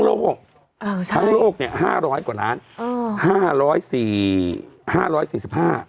โลกอ่าใช่ทั้งโลกเนี้ยห้าร้อยกว่าล้านเออห้าร้อยสี่ห้าร้อยสี่สิบห้า